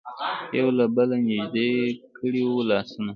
یو له بله نژدې کړي وو لاسونه.